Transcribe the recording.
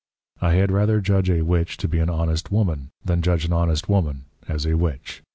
I had rather judge a Witch to be an honest woman, than judge an honest woman as a Witch.